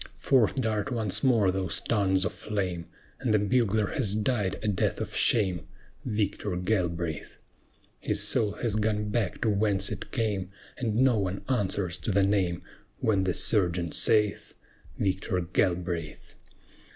Forth dart once more those tongues of flame, And the bugler has died a death of shame, Victor Galbraith! His soul has gone back to whence it came, And no one answers to the name When the Sergeant saith, "Victor Galbraith!"